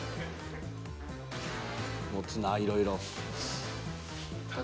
持つなぁいろいろ。